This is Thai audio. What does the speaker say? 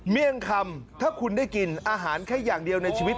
เลี่ยงคำถ้าคุณได้กินอาหารแค่อย่างเดียวในชีวิต